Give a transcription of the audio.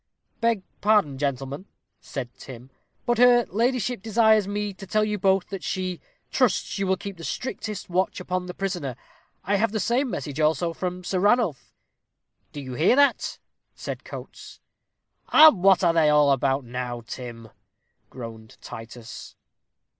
"Beg pardon, gentlemen," said Tim, "but her ladyship desires me to tell you both, that she trusts you will keep the strictest watch upon the prisoner. I have the same message also from Sir Ranulph." "Do you hear that?" said Coates. "And what are they all about now, Tim?" groaned Titus.